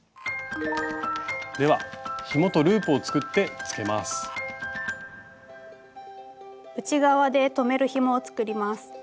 では内側で留めるひもを作ります。